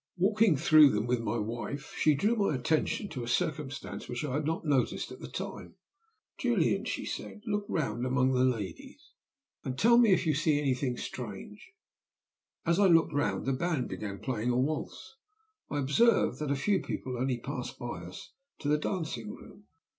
Walking through them with my wife, she drew my attention to a circumstance which I had not noticed at the time. 'Julian,' she said, 'look round among the lades, and tell me if you see anything strange.' As I looked round the band began playing a waltz. I observed that a few people only passed by us to the dancing room.